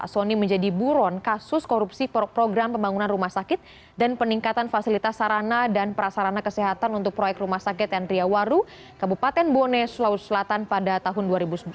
sony menjadi buron kasus korupsi program pembangunan rumah sakit dan peningkatan fasilitas sarana dan prasarana kesehatan untuk proyek rumah sakit tentriawaru kabupaten bone sulawesi selatan pada tahun dua ribu sebelas